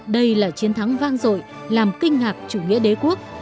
đây là chiến thắng vang dội làm kinh ngạc chủ nghĩa đế quốc